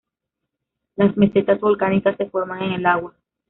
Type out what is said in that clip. Las mesetas volcánicas se forman en el agua.